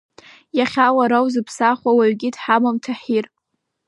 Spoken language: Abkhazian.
Иахьа уара узыԥсахуа уаҩгьы дҳамам, Таҳир!